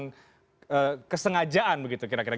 tentang kesengajaan begitu kira kira